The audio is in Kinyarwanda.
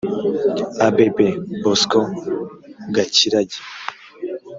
abb bosco gakirage